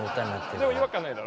でも違和感ないだろ？